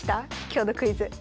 今日のクイズ。